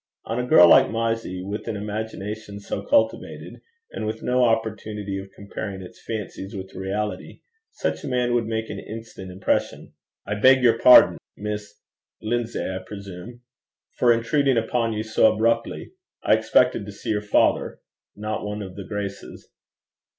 On a girl like Mysie, with an imagination so cultivated, and with no opportunity of comparing its fancies with reality, such a man would make an instant impression. 'I beg your pardon, Miss Lindsay, I presume? for intruding upon you so abruptly. I expected to see your father not one of the graces.'